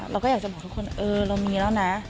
เราก็อยากจะบอกทุกคนเออเรามีแล้วนะ